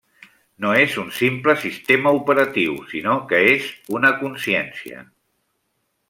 No és un simple sistema operatiu, sinó que és una consciència.